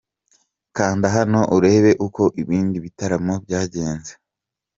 Kanda hano urebe uko ibindi bitaramo byagenze.